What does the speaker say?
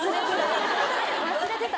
忘れてた。